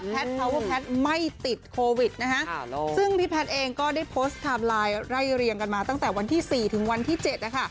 เขาว่าแพทย์ไม่ติดโควิดนะคะซึ่งพี่แพทย์เองก็ได้โพสต์ไทม์ไลน์ไล่เรียงกันมาตั้งแต่วันที่๔ถึงวันที่๗นะคะ